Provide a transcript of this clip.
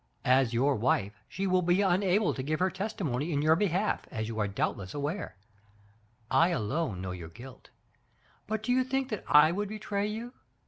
As your wife she will be unable to give her testi mony in your behalf, as you are doubtless aware. I alone know your guilt, but do you think that I would betray you?